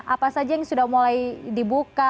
apa saja yang sudah mulai dibuka